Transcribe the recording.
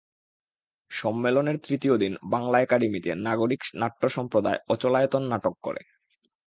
সম্মেলনের তৃতীয় দিন বাংলা একাডেমিতে নাগরিক নাট্য সম্প্রদায় অচলায়তন নাটক করে।